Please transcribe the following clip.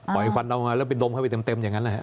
ปล่อยฟันเอามาแล้วไปดมไปเต็มแบบนั้น